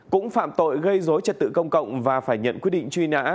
cũng phạm tội gây dối trật tự công cộng và phải nhận quyết định truy nã